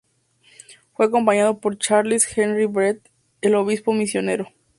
Fue acompañado por Charles Henry Brent, el obispo misionero.